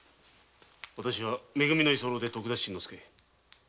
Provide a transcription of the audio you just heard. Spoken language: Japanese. わたしはめ組の居候で徳田新之助。